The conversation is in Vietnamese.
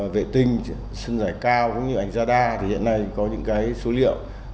vệ tinh sân giải cao cũng như ảnh radar thì hiện nay có những số liệu